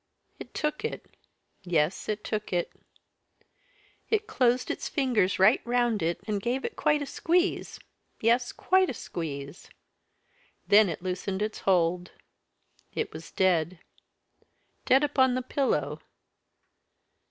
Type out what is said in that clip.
It took it yes, it took it. It closed its fingers right round it, and gave it quite a squeeze yes, quite a squeeze. Then it loosened its hold. It was dead. Dead upon the pillow.